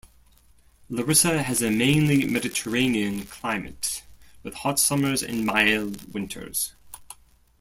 Larissa has a mainly Mediterranean climate with hot summers and mild winters.